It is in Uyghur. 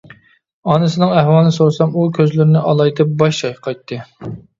ئانىسىنىڭ ئەھۋالىنى سورىسام ئۇ كۆزلىرىنى ئالايتىپ باش چايقايتتى.